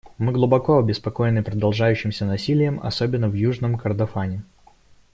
Мы глубоко обеспокоены продолжающимся насилием, особенно в Южном Кордофане.